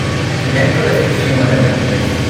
C’est l’alcool à frictions, madame la comtesse.